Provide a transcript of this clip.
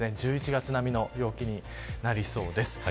１１月並みの陽気になりそうです。